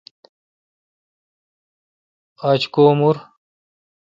آج کو مور۔